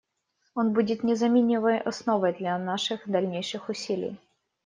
Он будет незаменимой основой для наших дальнейших усилий.